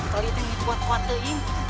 tali yang kuat kuat tengim